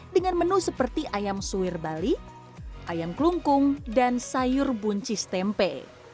dengan menu seperti ayam suwir bali ayam kelungkung dan sayur buncis tempe